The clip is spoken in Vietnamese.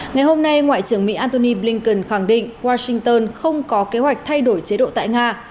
ngày hôm nay ngoại trưởng mỹ antony blinken khẳng định washington không có kế hoạch thay đổi chế độ tại nga